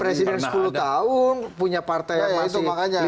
presiden sepuluh tahun punya partai yang masih lima usah